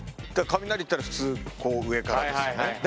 雷ったら普通こう上からですよね。